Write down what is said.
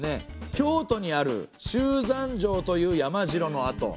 京都にある周山城という山城の跡。